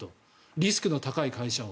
リスクの高い会社を。